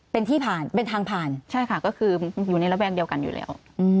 เป็นที่ผ่านเป็นทางผ่านใช่ค่ะก็คืออยู่ในระแวงเดียวกันอยู่แล้ว